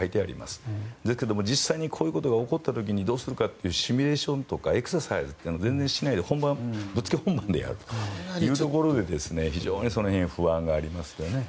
ただ、実際にこういうことが起こった時にどうするかというシミュレーションとかエクササイズをぶっつけ本番でやるというところで非常にその辺不安がありますね。